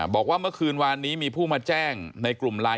บอกว่าเมื่อคืนวานนี้มีผู้มาแจ้งในกลุ่มไลน์